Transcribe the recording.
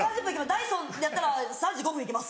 ダイソンやったら３５分行けます。